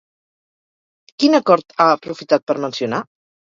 Quin acord ha aprofitat per mencionar?